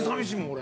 俺。